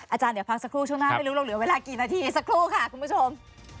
อาจารย์เดี๋ยวพักสักครู่ช่วงหน้าไม่รู้เราเหลือเวลากี่นาทีสักครู่ค่ะคุณผู้ชม